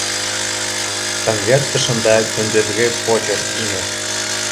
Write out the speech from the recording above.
Конверт тышында көндөҙгө почерк ине